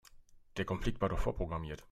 Der Konflikt war doch vorprogrammiert.